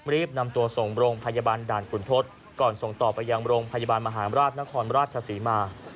รีบนำตัวส่งโรงพยาบาลด่านขุนทศก่อนส่งต่อไปยังโรงพยาบาลมหาราชนครราชศรีมา